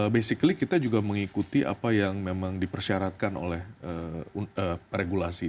basically kita juga mengikuti apa yang memang dipersyaratkan oleh regulasi